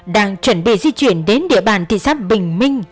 đang chuẩn bị di chuyển đến địa bàn thị xã bình minh